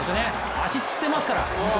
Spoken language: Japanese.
足つってますから。